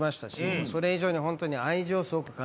それ以上にホントに。